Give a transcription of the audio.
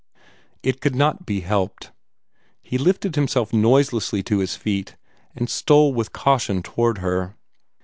It could not be helped. He lifted himself noiselessly to his feet, and stole with caution toward her.